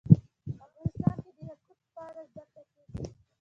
افغانستان کې د یاقوت په اړه زده کړه کېږي.